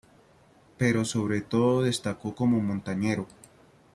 Pero sobre todo destacó como montañero.